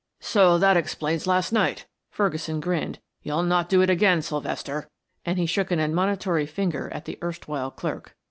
"So that explains last night," Ferguson grinned. "You'll not do it again, Sylvester," and he shook an admonitory finger at the erstwhile clerk.